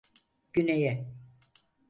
Güneye…